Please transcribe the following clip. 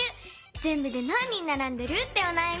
ぜんぶでなん人ならんでる？っておなやみ。